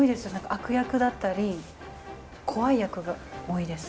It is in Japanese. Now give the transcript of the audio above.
悪役だったり怖い役が多いです。